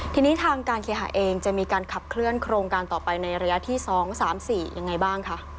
ทีนี้ทางการเคหาเองจะมีการขับเคลื่อนโครงการต่อไปในระยะที่๒๓๔ยังไงบ้างคะ